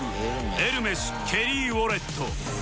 エルメスケリーウォレット